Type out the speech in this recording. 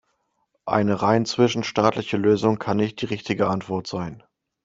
Eine rein zwischenstaatliche Lösung kann nicht die richtige Antwort sein.